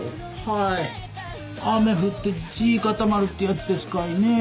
はい「雨降って地固まる」ってやつですかいねぇ。